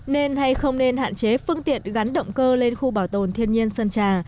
nên hay không nên hạn chế phương tiện gắn động cơ lên khu bảo tồn thiên nhiên sơn trà